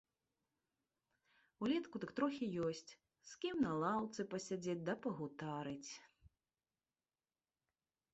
Улетку дык трохі ёсць, з кім на лаўцы пасядзець да пагутарыць.